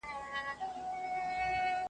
نه به چاته له پنجابه وي د جنګ امر راغلی .